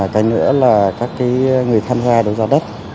cái nữa là các người tham gia đấu giá đất